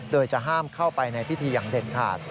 โดยจะห้ามเข้าไปในพิธีอย่างเด็ดขาด